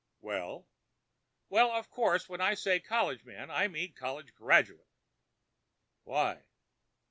"Well?" "Well—of course when I say 'college man' I mean college graduate." "Why?"